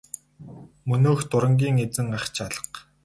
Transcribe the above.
Мөнөөх дурангийн эзэн ах ч алга.